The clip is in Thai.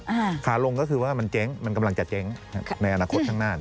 ขาลงก็คือว่ามันเจ๊งมันกำลังจะเจ๊งในอนาคตข้างหน้า